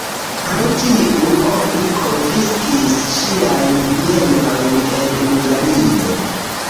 Pro tiu oni konfiskis ŝiajn bienojn en Hungario.